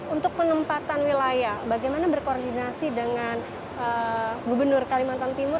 untuk penempatan wilayah bagaimana berkoordinasi dengan gubernur kalimantan timur